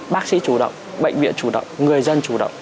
bác sĩ chủ động bệnh viện chủ động người dân chủ động